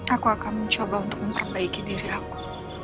aku akan mencoba untuk memperbaiki diri aku